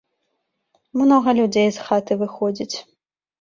Многа людзей з хаты выходзіць.